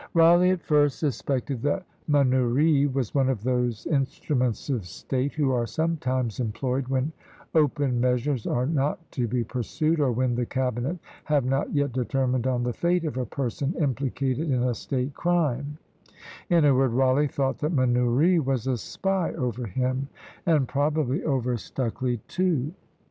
Rawleigh at first suspected that Manoury was one of those instruments of state who are sometimes employed when open measures are not to be pursued, or when the cabinet have not yet determined on the fate of a person implicated in a state crime; in a word, Rawleigh thought that Manoury was a spy over him, and probably over Stucley too.